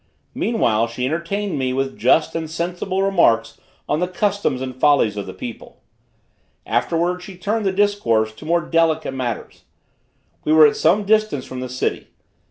Meanwhile she entertained me with just and sensible remarks on the customs and follies of the people. Afterwards she turned the discourse to more delicate matters. We were at some distance from the city.